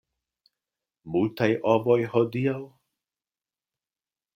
Multaj ovoj hodiaŭ?